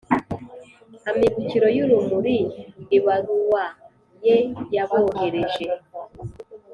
amibukiro y’urumuri ibaruwa ye yabohereje